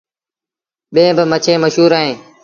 ٻيٚن با مڇيٚن مشهور اهيݩ ۔